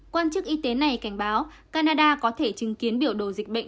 quan chức y tế này cảnh báo canada có thể chứng kiến biểu đồ dịch bệnh